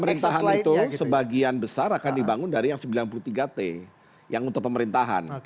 pemerintahan itu sebagian besar akan dibangun dari yang sembilan puluh tiga t yang untuk pemerintahan